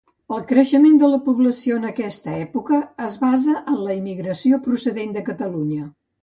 El creixement de població en aquesta època es basa en la immigració procedent de Catalunya.